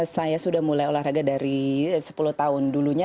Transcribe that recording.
saya sudah mulai olahraga dari sepuluh tahun dulunya